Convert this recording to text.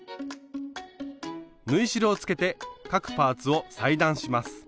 縫い代をつけて各パーツを裁断します。